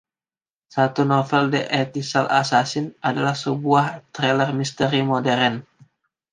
Satu novel, "The Ethical Assassin", adalah sebuah thriller-misteri modern.